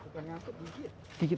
bukan ngantuk digigit